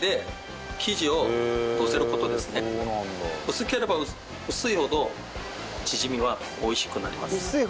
薄ければ薄いほどチヂミは美味しくなります。